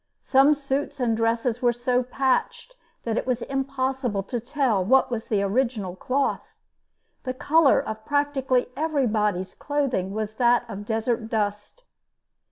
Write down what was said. Some suits and dresses were so patched that it was impossible to tell what was the original cloth. The color of practically everybody's clothing was that of desert dust.